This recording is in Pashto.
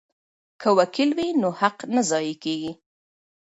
که وکیل وي نو حق نه ضایع کیږي.